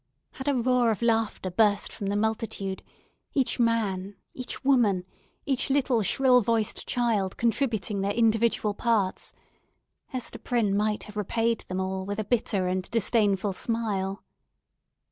Had a roar of laughter burst from the multitude—each man, each woman, each little shrill voiced child, contributing their individual parts—Hester Prynne might have repaid them all with a bitter and disdainful smile.